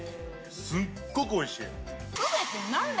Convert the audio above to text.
すごくおいしい！